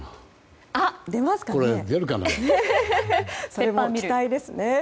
それも期待ですね。